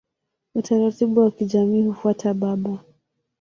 Utaratibu wa kijamii hufuata baba.